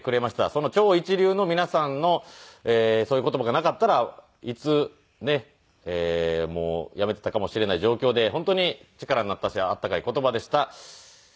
その超一流の皆さんのそういう言葉がなかったらいつねっ辞めてたかもしれない状況で本当に力になったし温かい言葉でした。